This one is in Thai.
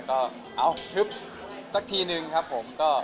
ก็เอาซักทีนึงครับผม